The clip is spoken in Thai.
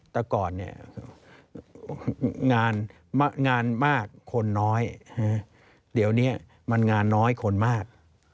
แต่ก่อนเนี่ยงานมากคนน้อยเดี๋ยวนี้มันงานน้อยคนมาก